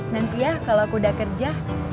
nanti ya kalau aku udah kerja